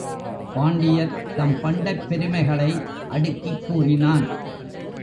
பாண்டியர் தம் பண்டைப் பெருமைகளை அடுக்கிக் கூறினான்.